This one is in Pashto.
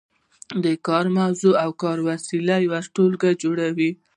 د کار موضوع او کاري وسایل یوه ټولګه جوړوي.